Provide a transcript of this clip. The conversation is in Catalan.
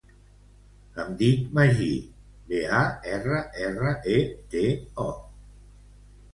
Em dic Magí Barreto: be, a, erra, erra, e, te, o.